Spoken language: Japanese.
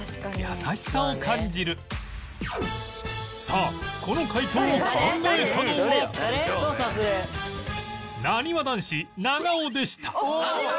さあこの回答を考えたのはなにわ男子長尾でした